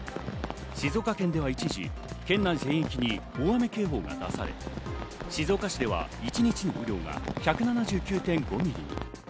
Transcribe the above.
静岡県では一時、県内全域に大雨警報が出され、静岡市では一日の雨量が１７９．５ミリに。